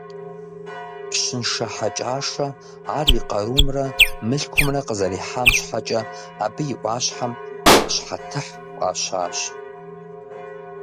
Пщыншэ Хьэкӏашэ ар и къарумрэ мылъкумрэ къызэрихьам щхьэкӏэ абы и ӏуащхьэм «ӏуащхьэтыхь» фӏащащ.